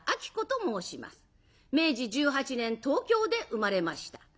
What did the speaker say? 明治１８年東京で生まれました。